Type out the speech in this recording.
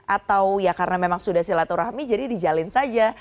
atau ya karena memang sudah silaturahmi jadi dijalin saja